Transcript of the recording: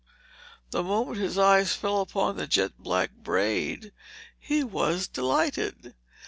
The moment his eye fell upon the jet black braid he was delighted.